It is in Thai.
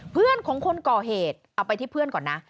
เพื่อนของคนก่อเหตุเอาไปที่เพื่อนก่อนนะ